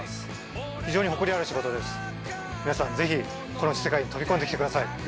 皆さんぜひこの世界に飛び込んで来てください。